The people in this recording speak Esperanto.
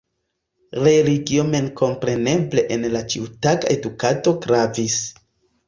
Religio memkompreneble en la ĉiutaga edukado gravis.